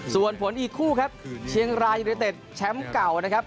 ส่วนผลอีกคู่ครับเชียงรายยูเนเต็ดแชมป์เก่านะครับ